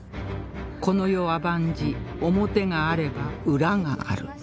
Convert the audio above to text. この世は万事表があれば裏がある